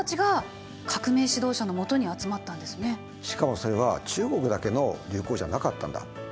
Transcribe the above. しかもそれは中国だけの流行じゃなかったんだ。